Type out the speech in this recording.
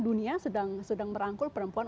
dunia sedang merangkul perempuan